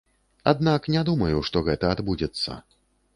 Аднак не думаю, што гэта адбудзецца.